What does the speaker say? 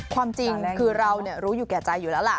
ความจริงคือเรารู้อยู่แก่ใจอยู่แล้วล่ะ